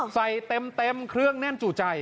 เต็มเครื่องแน่นจู่ใจ